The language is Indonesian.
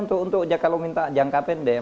untuk kalau minta jangka pendek